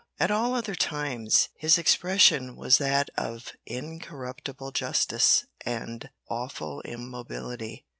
At all other times his expression was that of incorruptible justice and awful immobility.